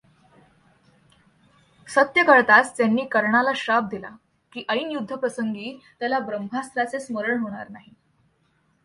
सत्य कळताच त्यांनी कर्णाला शाप दिला, की ऐन युद्धप्रसंगी त्याला ब्रह्मास्त्राचे स्मरण होणार नाही.